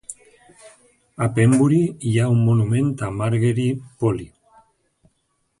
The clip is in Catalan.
A Pembury hi ha un monument a Margery Polly.